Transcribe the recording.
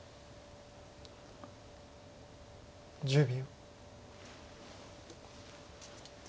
１０秒。